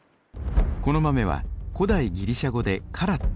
この豆は古代ギリシャ語でカラット。